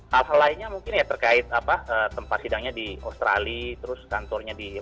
hal hal lainnya mungkin ya terkait tempat sidangnya di australia terus kantornya di